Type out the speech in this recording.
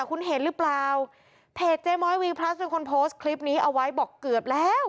คุณเห็นหรือเปล่าเพจเจ๊ม้อยวีพลัสเป็นคนโพสต์คลิปนี้เอาไว้บอกเกือบแล้ว